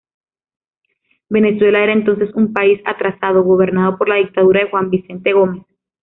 Venezuela era entonces un país atrasado, gobernado por la dictadura de Juan Vicente Gómez.